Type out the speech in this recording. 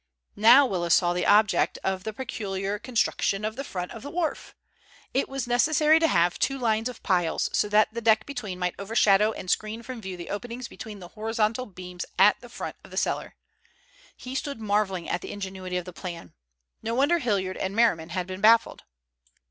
Now Willis saw the object of the peculiar construction of the front of the wharf. It was necessary to have two lines of piles, so that the deck between might overshadow and screen from view the openings between the horizontal beams at the front of the cellar. He stood marvelling at the ingenuity of the plan. No wonder Hilliard and Merriman had been baffled.